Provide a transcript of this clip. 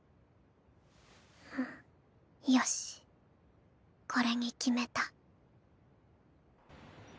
よしこれに決めた。